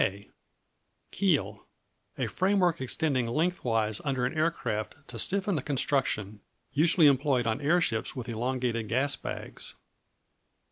K Keel A framework extending lengthwise under an aircraft to stiffen the construction: usually employed on airships with elongated gas bags.